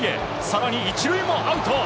更に、１塁もアウト。